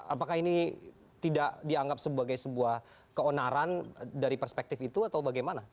apakah ini tidak dianggap sebagai sebuah keonaran dari perspektif itu atau bagaimana